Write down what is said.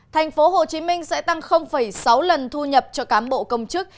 thành phố hồ chí minh sẽ tăng sáu lần thu nhập cho cán bộ công chức